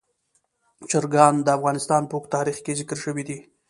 چرګان د افغانستان په اوږده تاریخ کې ذکر شوی دی.